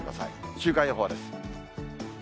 週間予報です。